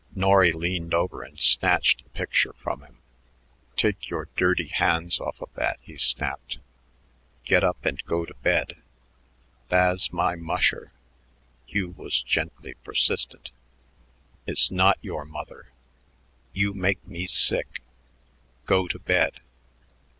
Norry leaned over and snatched the picture from him. "Take your dirty hands off of that," he snapped. "Get up and go to bed." "Tha's my musher." Hugh was gently persistent. "It's not your mother. You make me sick. Go to bed."